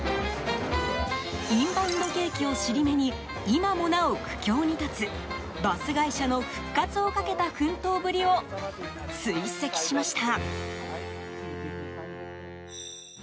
インバウンド景気を尻目に今もなお、苦境に立つバス会社の復活をかけた奮闘ぶりを追跡しました。